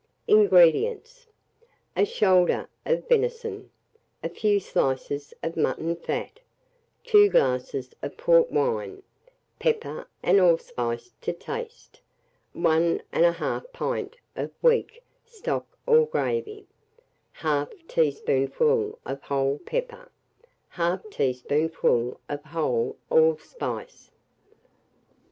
INGREDIENTS. A shoulder of venison, a few slices of mutton fat, 2 glasses of port wine, pepper and allspice to taste, 1 1/2 pint of weak stock or gravy, 1/2 teaspoonful of whole pepper, 1/2 teaspoonful of whole allspice.